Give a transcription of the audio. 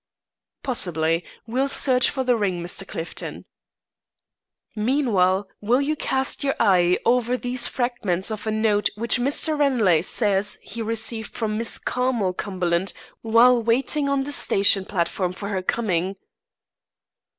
"Possibly. We'll search for the ring, Mr. Clifton." "Meanwhile, will you cast your eye over these fragments of a note which Mr. Ranelagh says he received from Miss Carmel Cumberland while waiting on the station platform for her coming."